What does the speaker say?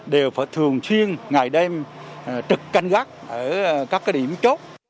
đều phải thường chuyên ngày đêm trực canh gác ở các cái điểm chốt